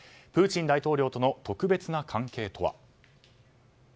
プーチン大統領との特別な関係とは？